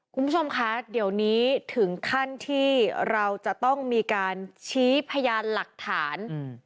คุณผู้ชมคะเดี๋ยวนี้ถึงขั้นที่เราจะต้องมีการชี้พยานหลักฐาน